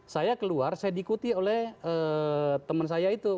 saya keluar saya diikuti oleh teman saya itu